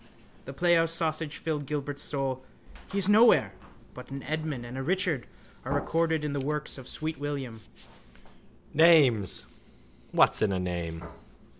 The playhouse sausage filled Gilbert's soul. He is nowhere: but an Edmund and a Richard are recorded in the works of sweet William. MAGEEGLINJOHN: Names! What's in a name?